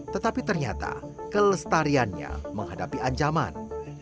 tetapi ternyata kelestariannya menghadapi ancaman